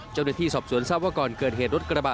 เจ้าหน้าที่สอบสวนทราบว่าก่อนเกิดเหตุรถกระบะ